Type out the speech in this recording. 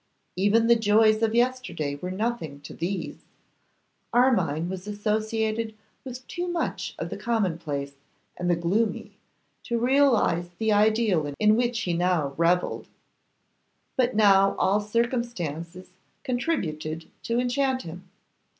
Even the joys of yesterday were nothing to these; Armine was associated with too much of the commonplace and the gloomy to realise the ideal in which he now revelled. But now all circumstances contributed to enchant him.